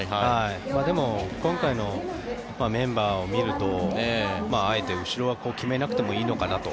でも、今回のメンバーを見るとあえて後ろは決めなくてもいいのかなと。